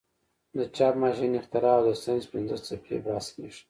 د چاپ ماشین اختراع او د ساینس پنځه څپې بحث کیږي.